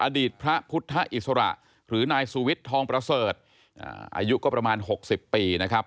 อดีตพระพุทธอิสระหรือนายสุวิทย์ทองประเสริฐอายุก็ประมาณ๖๐ปีนะครับ